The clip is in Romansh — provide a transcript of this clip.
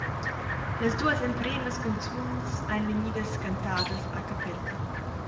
Las duas empremas canzuns ein vegnidas cantadas a capella.